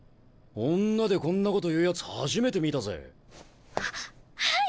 女でこんなこと言うやつ初めて見たぜ。ははい！